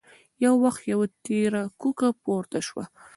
يو وخت يوه تېره کوکه پورته شوه.